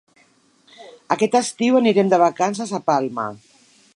Aquest estiu anirem de vacances a Palma.